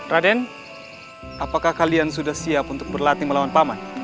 raden apakah kalian sudah siap untuk berlatih melawan paman